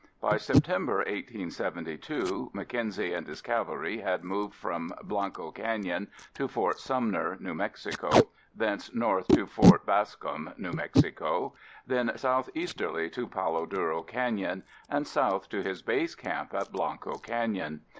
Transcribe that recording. By September, 1872, Mackenzie and his cavalry had moved from Blanco Canyon to Fort Sumner (New Mexico), thence north to Fort Bascom (New Mexico), then southeasterly to Palo Duro Canyon and south to his base camp in Blanco Canyon.